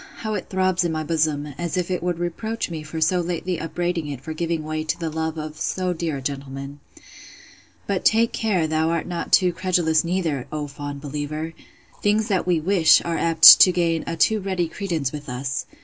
how it throbs in my bosom, as if it would reproach me for so lately upbraiding it for giving way to the love of so dear a gentleman!—But take care thou art not too credulous neither, O fond believer! Things that we wish, are apt to gain a too ready credence with us.